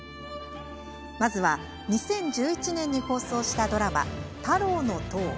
まずは、２０１１年に放送したドラマ「ＴＡＲＯの塔」。